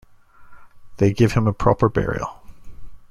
They give him a proper burial.